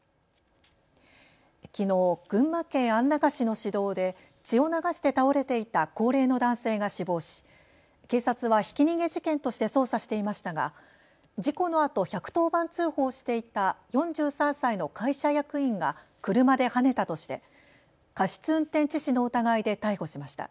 きのう群馬県安中市の市道で血を流して倒れていた高齢の男性が死亡し、警察はひき逃げ事件として捜査していましたが事故のあと１１０番通報していた４３歳の会社役員が車ではねたとして過失運転致死の疑いで逮捕しました。